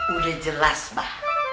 udah jelas mbak